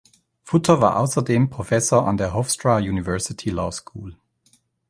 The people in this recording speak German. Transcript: Futter war außerdem Professor an der "Hofstra University Law School".